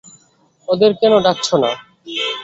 ওদের কেনো ডাকছো না?